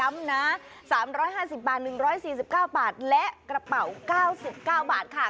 ๓๕๐บาท๑๔๙บาทและกระเป๋า๙๙บาทค่ะ